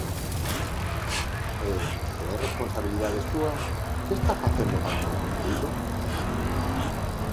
E, se é responsabilidade súa, ¿que está facendo para non cumprilo?